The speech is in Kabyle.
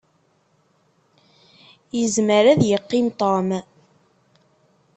Izmer ad yeqqim Tom.